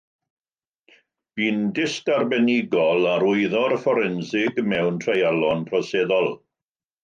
Bu'n dyst arbenigol ar wyddor fforensig mewn treialon troseddol.